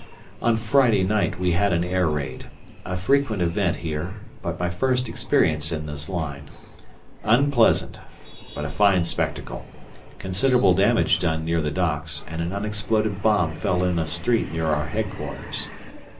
On Friday night we had an air raid a frequent event here, but my first experience in this line. Unpleasant, but a fine spectacle, considerable damage done near the docks and an unexploded bomb fell in a street near our headquarters.